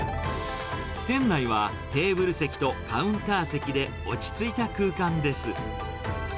店内はテーブル席とカウンター席で落ち着いた空間です。